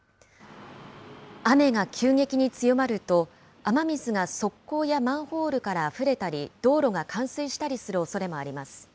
雨が急激に強まると、雨水が側溝やマンホールからあふれたり、道路が冠水したりするおそれもあります。